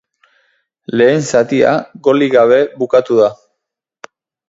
Lehen zatia golik gabe bukatu da.